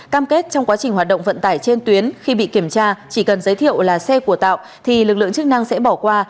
cam kết trong quá trình hoạt động vận tải trên tuyến khi bị kiểm tra chỉ cần giới thiệu là xe của tạo thì lực lượng chức năng sẽ bỏ qua